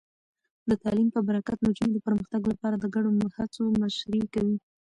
د تعلیم په برکت، نجونې د پرمختګ لپاره د ګډو هڅو مشري کوي.